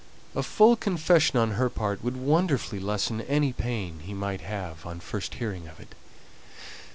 A full confession on her part would wonderfully lessen any pain he might have on first hearing of it.